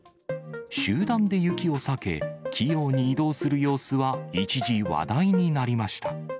集団で雪を避け、器用に移動する様子は一時、話題になりました。